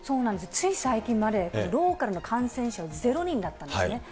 つい最近までローカルの感染者はゼロ人だったんですね。